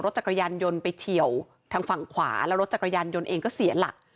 จักรยานยนต์ไปเฉียวทางฝั่งขวาแล้วรถจักรยานยนต์เองก็เสียหลัก